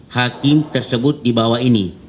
hakim tersebut di bawah ini